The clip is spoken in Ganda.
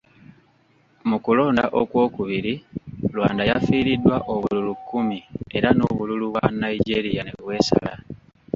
Mu kulonda okwokubiri, Rwanda yafiiriddwa obululu kkumi era n'obululu bwa Nigeria ne bwesala.